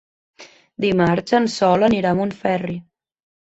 Dimarts en Sol anirà a Montferri.